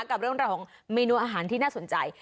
กับเรื่องราวของเมนูอาหารที่น่าสนใจ